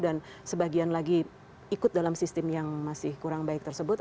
dan sebagian lagi ikut dalam sistem yang masih kurang baik tersebut